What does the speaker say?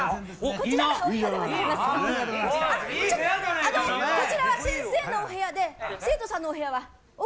こちらは先生のお部屋で生徒さんのお部屋は奥でございます。